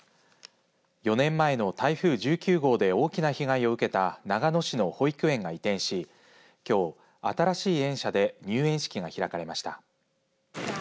４年前の台風１９号で大きな被害を受けた長野市の保育園が移転しきょう新しい園舎で入園式が開かれました。